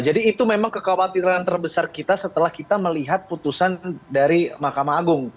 jadi itu memang kekhawatiran terbesar kita setelah kita melihat putusan dari mahkamah agung